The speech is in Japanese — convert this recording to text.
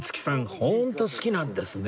ホント好きなんですね